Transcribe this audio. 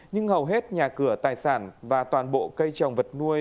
nhưng hầu hết nhà cửa tài sản và toàn bộ cây trồng vật nuôi